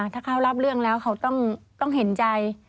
ถ้าเขารับเรื่องแล้วเขาต้องเห็นใจ